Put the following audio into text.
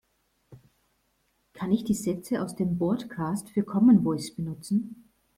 Kann ich die Sätze aus dem Bordcast für Commen Voice benutzen?